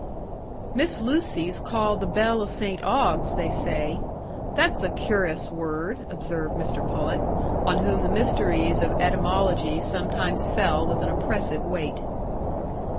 "Miss Lucy's called the bell o' St Ogg's, they say; that's a cur'ous word," observed Mr Pullet, on whom the mysteries of etymology sometimes fell with an oppressive weight.